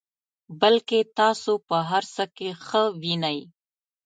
بلکې تاسو په هر څه کې ښه وینئ.